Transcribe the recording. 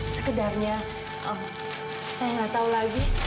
sekedarnya saya nggak tahu lagi